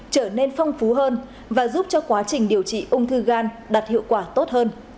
trở nên phong phú hơn và giúp cho quá trình điều trị ung thư gan đạt hiệu quả tốt hơn